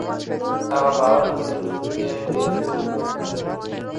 هغه باور نه درلود چې نوم به یې ډېر اوږد ژوند ولري.